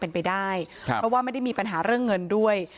เป็นไปได้เพราะว่าไม่ได้มีปัญหาเรื่องเงินด้วย